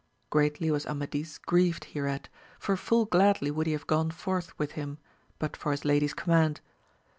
Greatly was Amadis grieved hereat, for full gladly would he have gone forth with him, but for his lady's command.